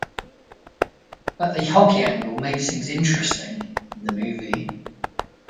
But the hockey angle makes things interesting in the movie.